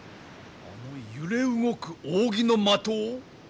あの揺れ動く扇の的を？